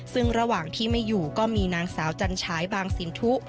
ซึ่งระหว่างที่ไม่อยู่ก็มีนางสาวจันฉายบางสินทุ